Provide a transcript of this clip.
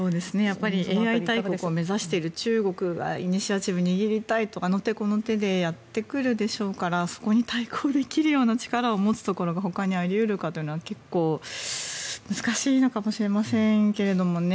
ＡＩ大国を目指している中国がイニシアチブを握りたいとあの手この手でやってくるでしょうからそこに対抗できるような力を持つところがほかにあり得るかというのは結構難しいのかもしれませんけどね。